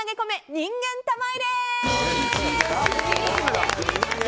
人間玉入れ！